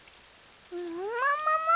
ももももも！